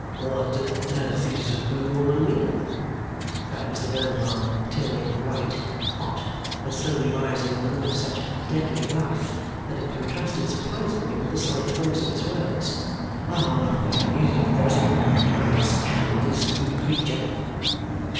'What does this good woman mean?' cried Mr Blandois, turning white, hot, and slowly rising with a look of such deadly wrath that it contrasted surprisingly with the slight force of his words. 'How is it possible to understand this good creature?